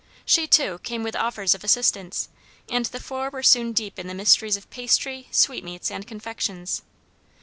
She, too, came with offers of assistance, and the four were soon deep in the mysteries of pastry, sweetmeats, and confections.